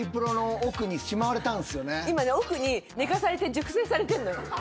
今ね奥に寝かされて熟成されてんのよ。